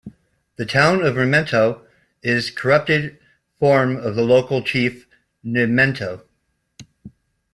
The town of Mermentau is a corrupted form of the local chief "Nementou".